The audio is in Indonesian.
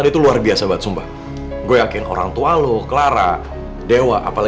karena raja tuh udah yakin kalau aku ini putri